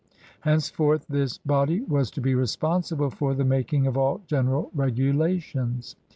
Henceforth this body was to be responsible for the making of all general r^ulations.